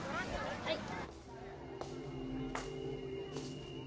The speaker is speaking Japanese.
はい。